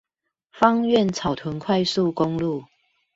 芳苑草屯快速公路